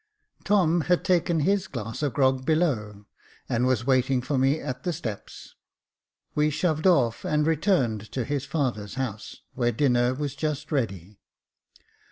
Tom had taken his glass of grog below, and was waiting for me at the steps. We shoved off, and returned to his father's house, where dinner was just ready.